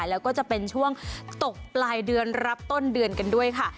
แล้วก็จะเป็นช่วงตกปลายเดือนรับต้นเดือนกันด้วยค่ะ